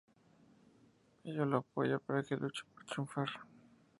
Ella lo apoya para que luche por triunfar.